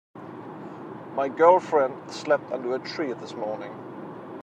My girlfriend slept under a tree this morning.